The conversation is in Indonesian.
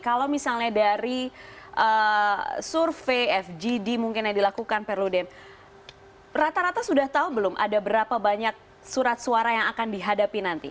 kalau misalnya dari survei fgd mungkin yang dilakukan perludem rata rata sudah tahu belum ada berapa banyak surat suara yang akan dihadapi nanti